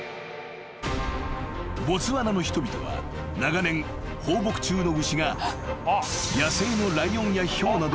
［ボツワナの人々は長年放牧中の］